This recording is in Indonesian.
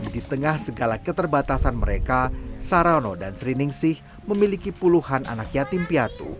di tengah segala keterbatasan mereka sarono dan sri ningsih memiliki puluhan anak yatim piatu